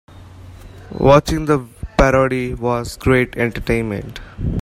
Watching the parody was great entertainment.